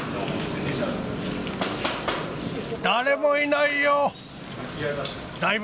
誰もいないよ。